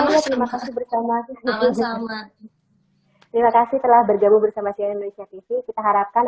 terima kasih bersama terima kasih telah bergabung bersama sian indonesia tv kita harapkan